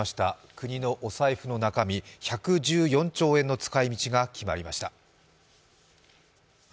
国のお財布の中身１１４兆円の使いみちが決まりました